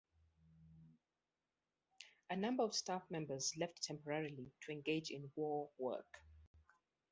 A number of staff members left temporarily to engage in war work.